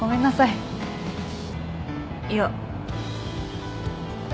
いや。